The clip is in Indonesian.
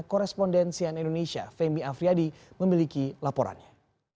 korespondensian indonesia femi afriyadi memiliki laporannya